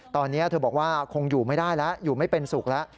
ตอนนี้เธอบอกว่าคงอยู่ไม่ได้แล้วอยู่ไม่เป็นสุขแล้ว